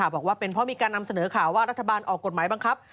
บอกว่าเป็นเพราะมีการนำเสนอข่าวว่ารัฐบาลออกกฎหมายบังคับ